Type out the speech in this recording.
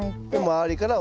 周りから。